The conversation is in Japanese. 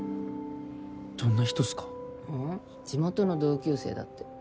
地元の同級生だって。